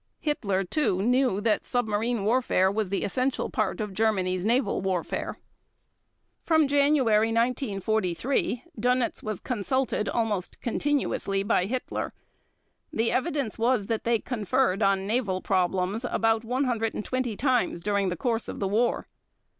Hitler, too, knew that submarine warfare was the essential part of Germany's naval warfare. From January 1943, Dönitz was consulted almost continuously by Hitler. The evidence was that they conferred on naval problems about 120 times during the course of the war.